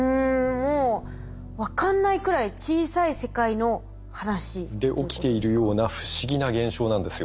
もう分かんないくらい小さい世界の話。で起きているような不思議な現象なんですよ。